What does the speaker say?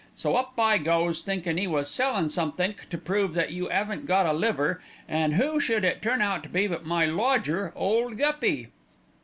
So up I goes, thinkin' 'e was sellin' somethink to prove that you 'aven't got a liver, an' who should it turn out to be but my lodger, Ole Guppy."